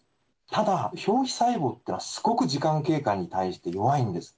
ただ、表皮細胞っていうのは、すごく時間経過に対して弱いんです。